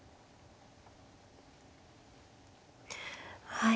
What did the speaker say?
はい。